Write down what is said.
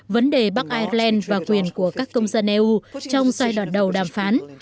vấn đề bắc ireland và quyền của các công dân eu trong giai đoạn đầu đàm phán